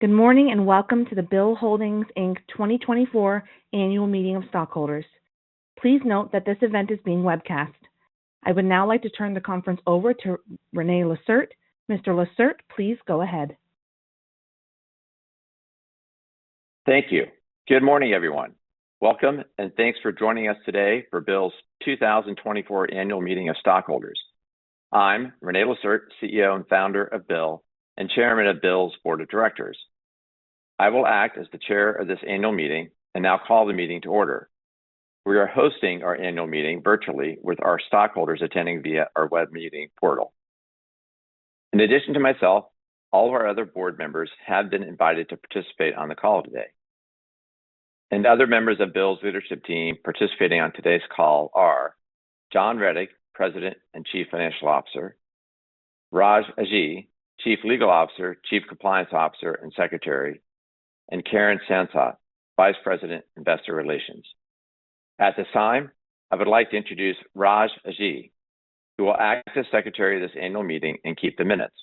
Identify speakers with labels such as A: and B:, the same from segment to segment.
A: Good morning and welcome to the Holdings, Inc. 2024 Annual Meeting of Stockholders. Please note that this event is being webcast. I would now like to turn the conference over to René Lacerte. Mr. Lacerte, please go ahead.
B: Thank you. Good morning, everyone. Welcome and thanks for joining us today for BILL's 2024 Annual Meeting of Stockholders. I'm René Lacerte, CEO and Founder of BILL and Chairman of BILL's Board of Directors. I will act as the chair of this annual meeting and now call the meeting to order. We are hosting our annual meeting virtually, with our stockholders attending via our web meeting portal. In addition to myself, all of our other board members have been invited to participate on the call today. And other members of BILL's leadership team participating on today's call are John Rettig, President and Chief Financial Officer, Raj Aji, Chief Legal Officer, Chief Compliance Officer and Secretary, and Karen Sansot, Vice President, Investor Relations. At this time, I would like to introduce Raj Aji, who will act as Secretary of this annual meeting and keep the minutes.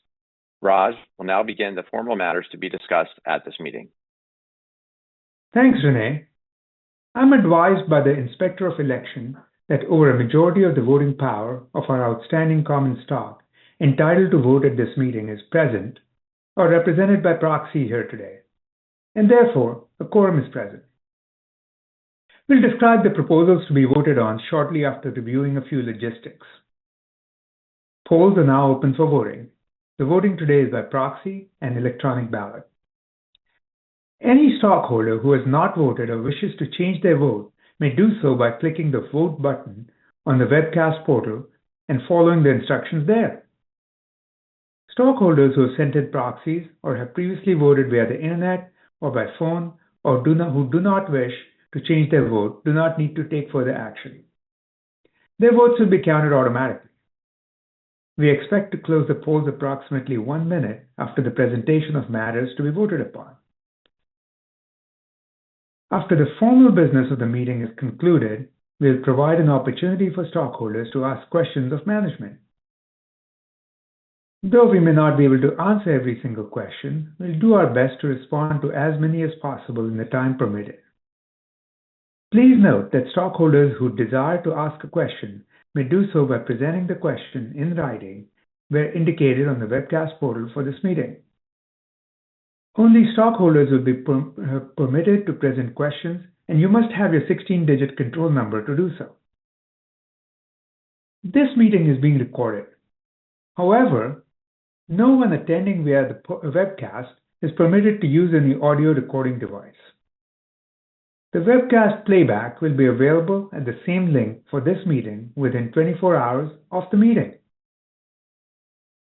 B: Raj will now begin the formal matters to be discussed at this meeting.
C: Thanks, René. I'm advised by the Inspector of Election that over a majority of the voting power of our outstanding common stock entitled to vote at this meeting is present or represented by proxy here today. And therefore, a quorum is present. We'll describe the proposals to be voted on shortly after reviewing a few logistics. Polls are now open for voting. The voting today is by proxy and electronic ballot. Any stockholder who has not voted or wishes to change their vote may do so by clicking the Vote button on the webcast portal and following the instructions there. Stockholders who have sent in proxies or have previously voted via the internet or by phone or who do not wish to change their vote do not need to take further action. Their votes will be counted automatically. We expect to close the polls approximately one minute after the presentation of matters to be voted upon. After the formal business of the meeting is concluded, we'll provide an opportunity for stockholders to ask questions of management. Though we may not be able to answer every single question, we'll do our best to respond to as many as possible in the time permitted. Please note that stockholders who desire to ask a question may do so by presenting the question in writing where indicated on the webcast portal for this meeting. Only stockholders will be permitted to present questions, and you must have your 16-digit control number to do so. This meeting is being recorded. However, no one attending via the webcast is permitted to use any audio recording device. The webcast playback will be available at the same link for this meeting within 24 hours of the meeting.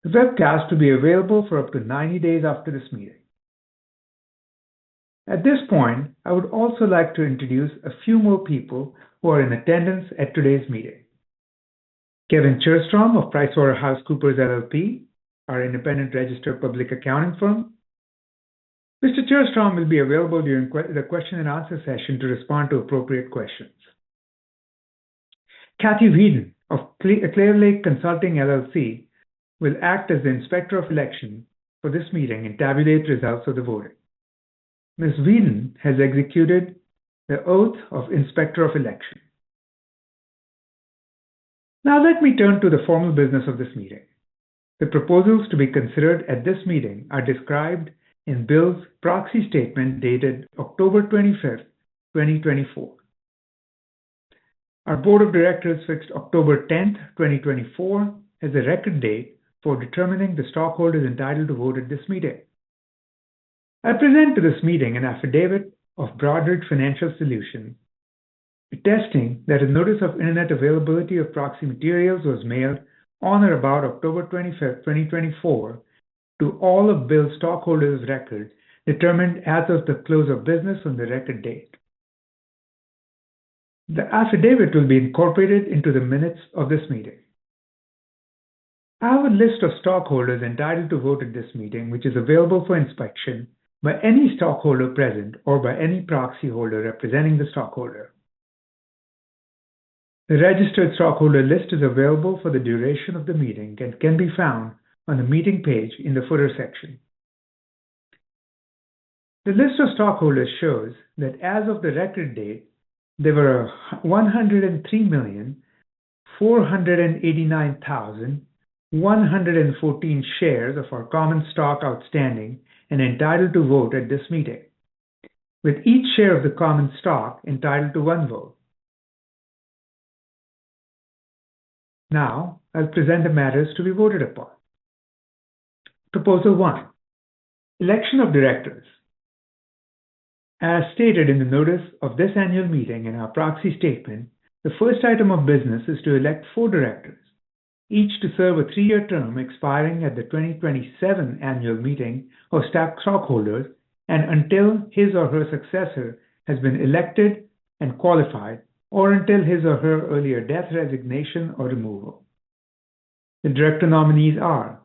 C: The webcast will be available for up to 90 days after this meeting. At this point, I would also like to introduce a few more people who are in attendance at today's meeting: Kevin Cherrstrom of PricewaterhouseCoopers LLP, our independent registered public accounting firm. Mr. Cherrstrom will be available during the question and answer session to respond to appropriate questions. Kathy Wheaton of Clear Lake Consulting LLC will act as the Inspector of Election for this meeting and tabulate results of the voting. Ms. Wheaton has executed the oath of Inspector of Election. Now let me turn to the formal business of this meeting. The proposals to be considered at this meeting are described in BILL's proxy statement dated October 25th, 2024. Our Board of Directors fixed October 10th, 2024, as a record date for determining the stockholders entitled to vote at this meeting. I present to this meeting an affidavit of Broadridge Financial Solutions, attesting that a notice of internet availability of proxy materials was mailed on or about October 25th, 2024, to all of BILL's stockholders of record determined as of the close of business on the record date. The affidavit will be incorporated into the minutes of this meeting. Our list of stockholders entitled to vote at this meeting, which is available for inspection by any stockholder present or by any proxy holder representing the stockholder. The registered stockholder list is available for the duration of the meeting and can be found on the meeting page in the footer section. The list of stockholders shows that as of the record date, there were 103,489,114 shares of our common stock outstanding and entitled to vote at this meeting, with each share of the common stock entitled to one vote. Now I'll present the matters to be voted upon. Proposal one: Election of Directors. As stated in the notice of this annual meeting and our proxy statement, the first item of business is to elect four directors, each to serve a three-year term expiring at the 2027 annual meeting of stockholders and until his or her successor has been elected and qualified, or until his or her earlier death, resignation, or removal. The director nominees are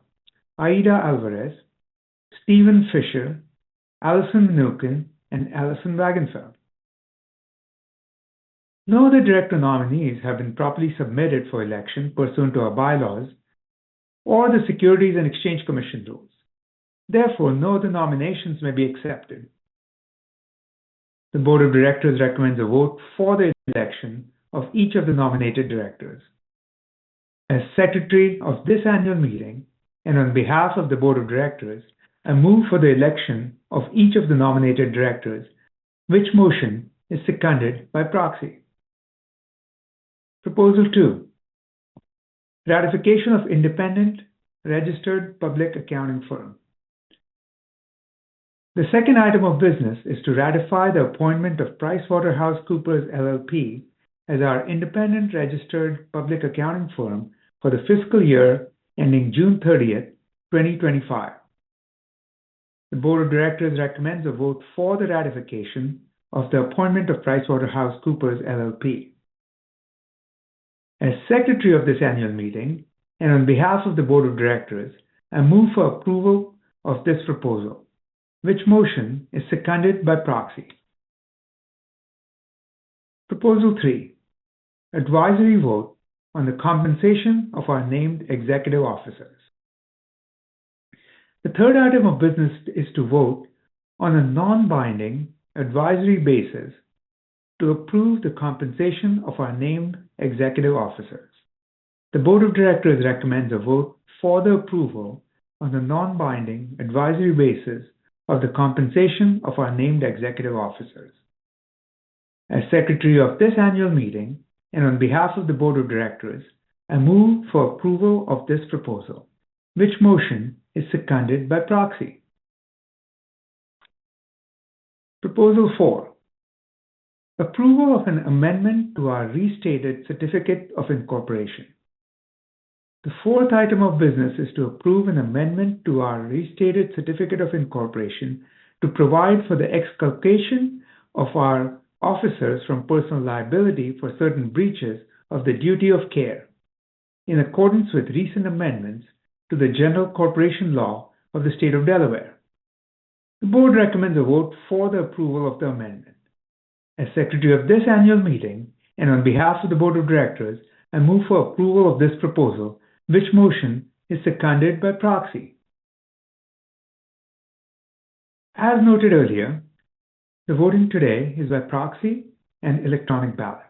C: Aida Álvarez, Steve Fisher, Allison Mnookin, and Alison Wagonfeld. No other director nominees have been properly submitted for election pursuant to our bylaws or the Securities and Exchange Commission rules. Therefore, no other nominations may be accepted. The Board of Directors recommends a vote for the election of each of the nominated directors. As Secretary of this annual meeting and on behalf of the Board of Directors, I move for the election of each of the nominated directors, which motion is seconded by proxy. Proposal two: Ratification of Independent Registered Public Accounting Firm. The second item of business is to ratify the appointment of PricewaterhouseCoopers LLP as our independent registered public accounting firm for the fiscal year ending June 30th, 2025. The Board of Directors recommends a vote for the ratification of the appointment of PricewaterhouseCoopers LLP. As Secretary of this annual meeting and on behalf of the Board of Directors, I move for approval of this proposal, which motion is seconded by proxy. Proposal three: Advisory vote on the compensation of our named executive officers. The third item of business is to vote on a non-binding advisory basis to approve the compensation of our named executive officers. The Board of Directors recommends a vote for the approval on the non-binding advisory basis of the compensation of our named executive officers. As Secretary of this annual meeting and on behalf of the Board of Directors, I move for approval of this proposal, which motion is seconded by proxy. Proposal four: Approval of an amendment to our Restated Certificate of Incorporation. The fourth item of business is to approve an amendment to our Restated Certificate of Incorporation to provide for the exculpation of our officers from personal liability for certain breaches of the duty of care in accordance with recent amendments to the general corporation law of the State of Delaware. The Board recommends a vote for the approval of the amendment. As Secretary of this annual meeting and on behalf of the Board of Directors, I move for approval of this proposal, which motion is seconded by proxy. As noted earlier, the voting today is by proxy and electronic ballot.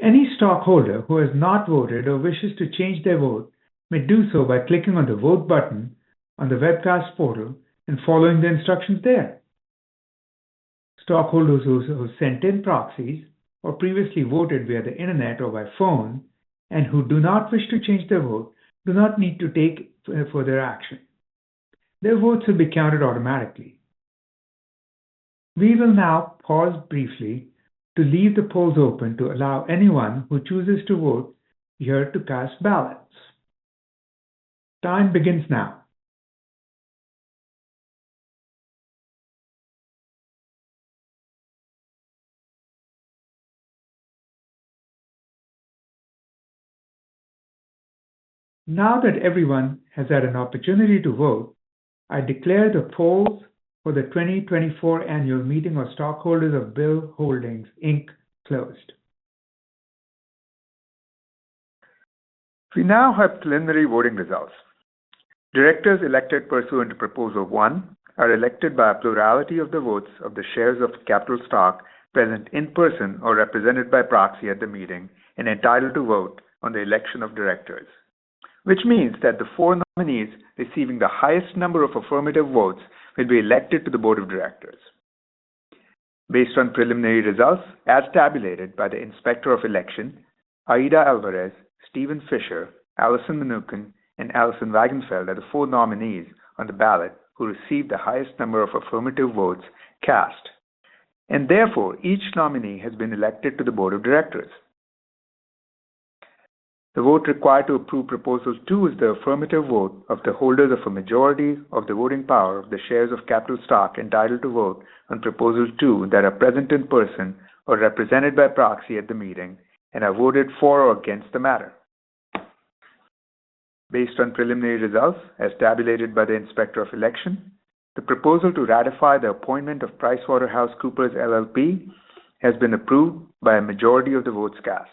C: Any stockholder who has not voted or wishes to change their vote may do so by clicking on the Vote button on the webcast portal and following the instructions there. Stockholders who have sent in proxies or previously voted via the internet or by phone and who do not wish to change their vote do not need to take further action. Their votes will be counted automatically. We will now pause briefly to leave the polls open to allow anyone who chooses to vote here to cast ballots. Time begins now. Now that everyone has had an opportunity to vote, I declare the polls for the 2024 annual meeting of stockholders of BILL Holdings, Inc. closed. We now have preliminary voting results. Directors elected pursuant to Proposal One are elected by a plurality of the votes of the shares of capital stock present in person or represented by proxy at the meeting and entitled to vote on the election of directors, which means that the four nominees receiving the highest number of affirmative votes will be elected to the Board of Directors. Based on preliminary results as tabulated by the Inspector of Election, Aida Álvarez, Steve Fisher, Allison Mnookin, and Alison Wagonfeld are the four nominees on the ballot who received the highest number of affirmative votes cast, and therefore, each nominee has been elected to the Board of Directors. The vote required to approve Proposal Two is the affirmative vote of the holders of a majority of the voting power of the shares of capital stock entitled to vote on Proposal Two that are present in person or represented by proxy at the meeting and have voted for or against the matter. Based on preliminary results as tabulated by the Inspector of Election, the proposal to ratify the appointment of PricewaterhouseCoopers LLP has been approved by a majority of the votes cast.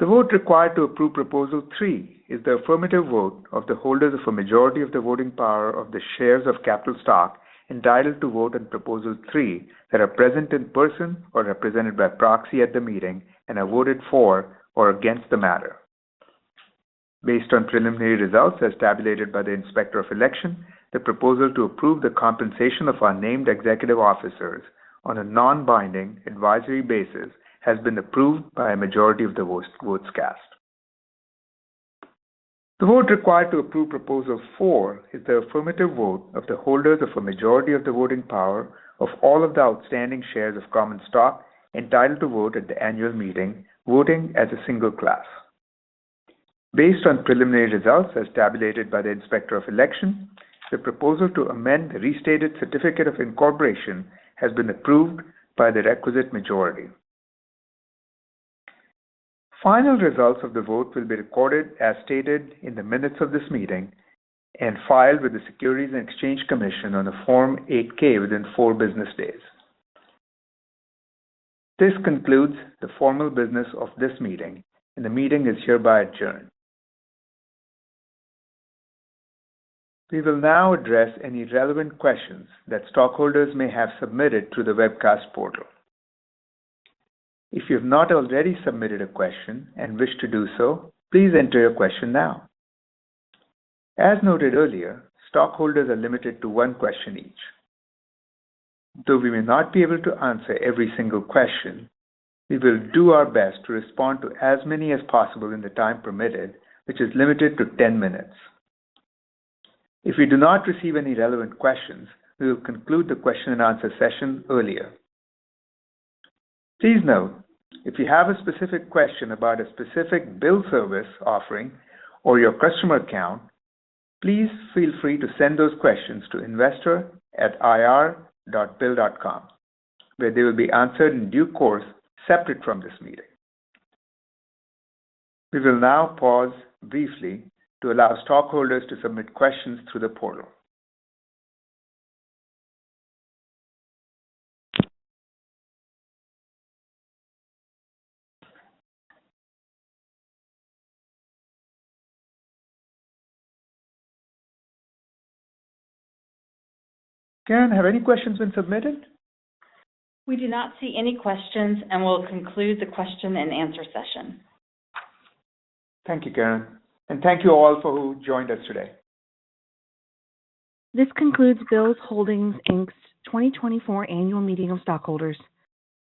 C: The vote required to approve Proposal Three is the affirmative vote of the holders of a majority of the voting power of the shares of capital stock entitled to vote on Proposal Three that are present in person or represented by proxy at the meeting and have voted for or against the matter. Based on preliminary results as tabulated by the Inspector of Election, the proposal to approve the compensation of our named executive officers on a non-binding advisory basis has been approved by a majority of the votes cast. The vote required to approve Proposal Four is the affirmative vote of the holders of a majority of the voting power of all of the outstanding shares of common stock entitled to vote at the annual meeting, voting as a single class. Based on preliminary results as tabulated by the Inspector of Election, the proposal to amend the Restated Certificate of Incorporation has been approved by the requisite majority. Final results of the vote will be recorded as stated in the minutes of this meeting and filed with the Securities and Exchange Commission on the Form 8-K within four business days. This concludes the formal business of this meeting, and the meeting is hereby adjourned. We will now address any relevant questions that stockholders may have submitted through the webcast portal. If you have not already submitted a question and wish to do so, please enter your question now. As noted earlier, stockholders are limited to one question each. Though we may not be able to answer every single question, we will do our best to respond to as many as possible in the time permitted, which is limited to 10 minutes. If we do not receive any relevant questions, we will conclude the question and answer session earlier. Please note, if you have a specific question about a specific BILL service offering or your customer account, please feel free to send those questions to investor@ir.bill.com, where they will be answered in due course separate from this meeting. We will now pause briefly to allow stockholders to submit questions through the portal. Karen, have any questions been submitted?
A: We do not see any questions, and we'll conclude the question and answer session.
C: Thank you, Karen, and thank you all for who joined us today.
A: This concludes BILL Holdings Inc.'s 2024 annual meeting of stockholders.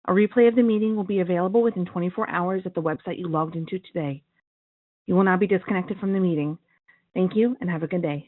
A: A replay of the meeting will be available within 24 hours at the website you logged into today. You will not be disconnected from the meeting. Thank you and have a good day.